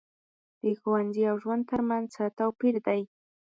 د ښوونځي او ژوند تر منځ څه توپیر دی.